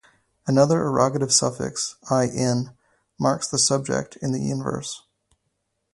Another ergative suffix "-in" marks the subject in the inverse.